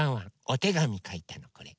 おてがみかいたのこれ。